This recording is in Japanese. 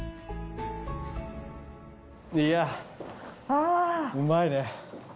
いやうまいね。